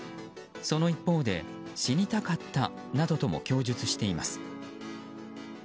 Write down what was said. その一方で死にたかったなどとも供述しています。